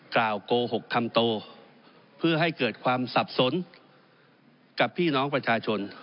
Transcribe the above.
โกหกคำโตเพื่อให้เกิดความสับสนกับพี่น้องประชาชน